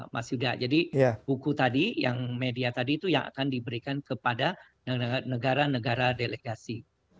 mas yuda jadi buku tadi yang media tadi itu yang akan diberikan kepada negara negara delegasi